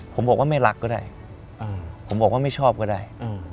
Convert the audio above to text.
ผมบอกว่าไม่รักก็ได้ผมบอกว่าไม่ชอบก็ได้